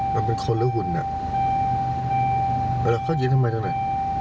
มันเป็นคนหรือหุ่นน่ะเออแล้วเขายินทำไมจังไง